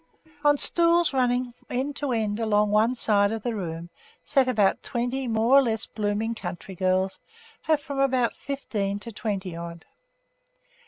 On stools running end to end along one side of the room sat about twenty more or less blooming country girls of from fifteen to twenty odd.